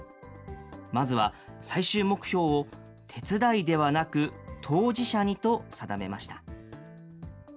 まずは、最終目標を、手伝いではなく、当事者にと定めました。